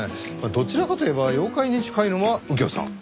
どちらかといえば妖怪に近いのは右京さん。